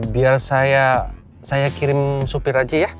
biar saya kirim supir aja ya